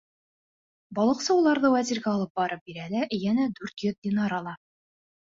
Балыҡсы уларҙы вәзиргә алып барып бирә лә йәнә дүрт йөҙ динар ала.